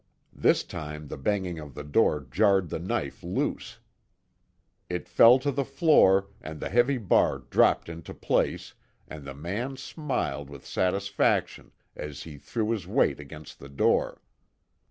This time the banging of the door jarred the knife loose. It fell to the floor, and the heavy bar dropped into place and the man smiled with satisfaction as he threw his weight against the door.